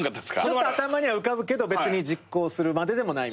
ちょっと頭には浮かぶけど別に実行するまででもない。